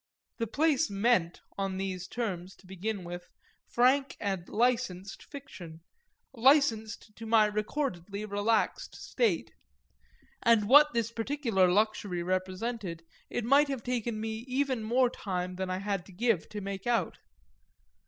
The place "meant," on these terms, to begin with, frank and licensed fiction, licensed to my recordedly relaxed state; and what this particular luxury represented it might have taken me even more time than I had to give to make out.